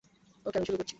ওকে, আমি শুরু করছি!